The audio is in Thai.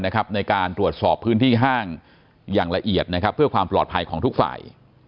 ในการตรวจสอบพื้นที่ห้างอย่างละเอียดเพื่อความปลอดภัยของทุกฝ่าย